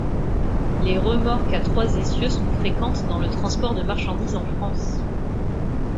Les remorques à trois essieux sont fréquentes dans le transport de marchandise en France.